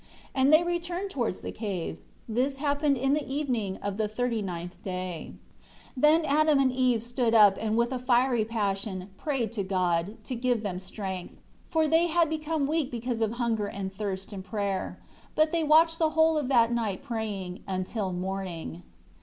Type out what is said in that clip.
And they returned towards the cave. This happened in the evening of the thirty ninth day. 13 Then Adam and Eve stood up and with a fiery passion, prayed to God, to give them strength; for they had become weak because of hunger and thirst and prayer. But they watched the whole of that night praying, until morning.